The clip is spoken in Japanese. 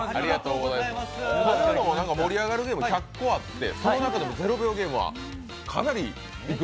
盛り上がるゲームが１００個あってその中でも「０秒ゲーム」はかなりいくんだ？